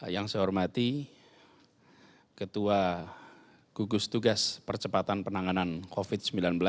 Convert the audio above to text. yang saya hormati ketua gugus tugas percepatan penanganan covid sembilan belas